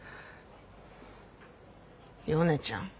ヨネちゃん。